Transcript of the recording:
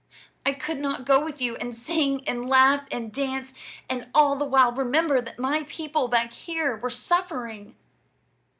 I could not go with you and sing and laugh and dance, and all the while remember that my people back here were suffering."